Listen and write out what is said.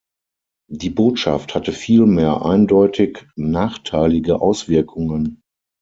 Die Botschaft hatte vielmehr eindeutig nachteilige Auswirkungen.